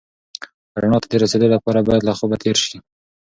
رڼا ته د رسېدو لپاره باید له خوبه تېر شې.